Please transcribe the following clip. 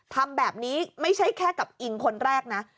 ทำแบบนี้ไม่ใช่แค่กับอิงคนแรกนะ